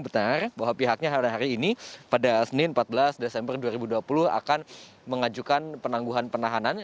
benar bahwa pihaknya hari ini pada senin empat belas desember dua ribu dua puluh akan mengajukan penangguhan penahanan